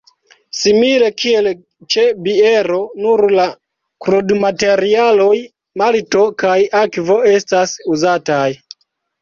Simile kiel ĉe biero nur la krudmaterialoj malto kaj akvo estas uzataj.